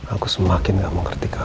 aku semakin gak mengerti